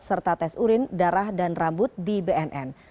serta tes urin darah dan rambut di bnn